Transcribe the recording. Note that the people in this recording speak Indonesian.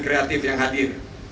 kreatif yang hadir